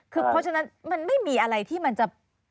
เพราะฉะนั้นมันไม่มีอะไรที่จะ